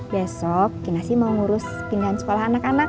besok kinasi mau ngurus pindahan sekolah anak anak